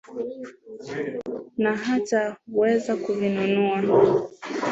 Na hata kuweza kuvinunua.